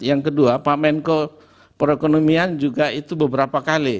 yang kedua pak menko perekonomian juga itu beberapa kali